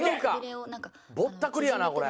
「ぼったくりやなこれ」